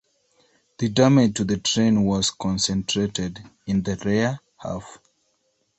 The damage to the train was concentrated in the rear half.